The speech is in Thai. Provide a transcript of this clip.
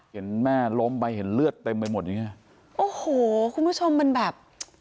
เห็นแม่ล้มไปเห็นเลือดเต็มไปหมดอย่างเงี้ยโอ้โหคุณผู้ชมมันแบบ